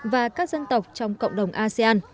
và các dân tộc trong cộng đồng asean